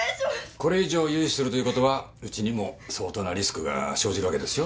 これ以上融資するということはうちにも相当なリスクが生じるわけですよ。